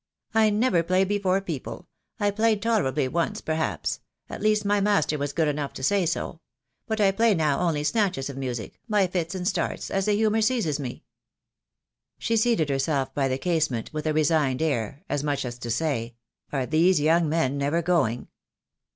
"I never play before people. I played tolerably once, perhaps — at least my master was good enough to say so. But I play now only snatches of music, by fits and starts, as the humour seizes me." She seated herself by the casement with a resigned air, as much as to say, "Are these young men never going?"